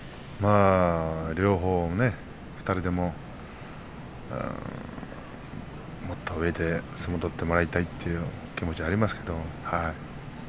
両方ね、２人でもっと上で相撲を取ってほしいという気持ちがありますけど。